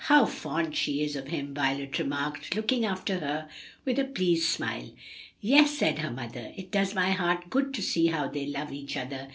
"How fond she is of him!" Violet remarked, looking after her with a pleased smile. "Yes," said her mother, "it does my heart good to see how they love each other.